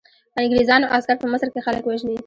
انګریزانو عسکر په مصر کې خلک وژني.